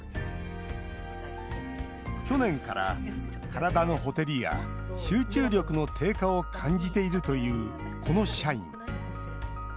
去年から、体のほてりや集中力の低下を感じているというこの社員。